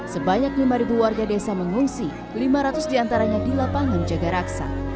sebanyak lima warga desa mengungsi lima ratus diantaranya di lapangan jaga raksa